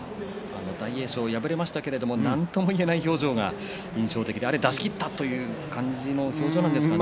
大栄翔、敗れましたけれども、なんとも言えない表情が印象的で出し切ったという表情なんですかね。